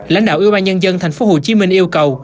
lãnh đạo yêu bài nhân dân tp hcm yêu cầu